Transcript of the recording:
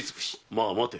まあ待て。